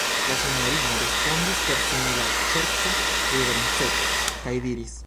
La sinjorino respondis per simila ŝerca riverenceto, kaj diris: